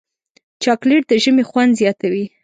چاکلېټ د ژمي خوند زیاتوي.